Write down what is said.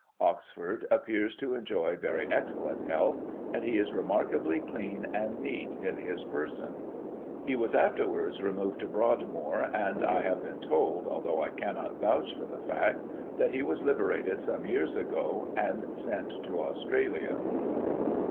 Oxford appears to enjoy very excellent health ; and he is remarkably clean and neat in his person." He was, afterwards, removed to Broadmoor, and I have been told, although I cannot vouch for the fact, that he was liberated some years ago, and sent to Australia.